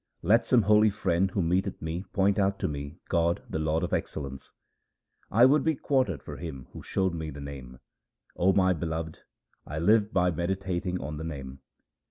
Let some holy friend who meeteth me point out to me God the Lord of excellence. I would be quartered for him who showed me the Name. O my Beloved, I live by meditating on the Name.